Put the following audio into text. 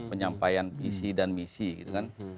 penyampaian visi dan misi gitu kan